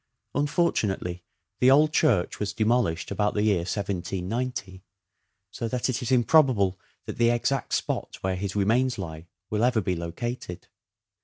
Unfortunately the old church was de molished about the year 1790, so that it is improbable that the exact spot where his remains lie will ever be located.